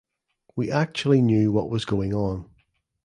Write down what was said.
We actually knew what was going on.